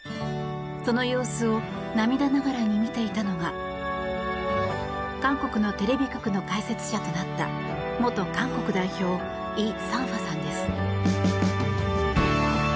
その様子を涙ながらに見ていたのは韓国のテレビ局の解説者となった元韓国代表イ・サンファさんです。